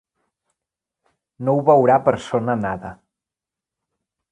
No ho veurà persona nada.